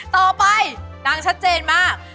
ต่อไปดังชัดเจนมาก